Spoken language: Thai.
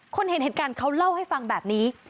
เห็นเหตุการณ์เขาเล่าให้ฟังแบบนี้